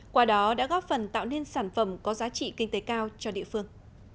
qua đó đã góp phần tạo nên sản phẩm có giá trị kinh tế cao cho địa phương